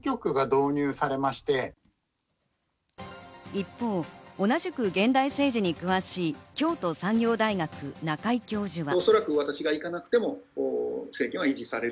一方、同じく現代政治に詳しい、京都産業大学・中井教授は。